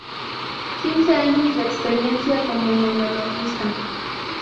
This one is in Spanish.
Quince años de experiencia como monologuista.